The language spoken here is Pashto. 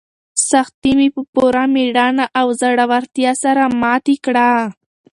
سختۍ مې په پوره مېړانه او زړورتیا سره ماتې کړې.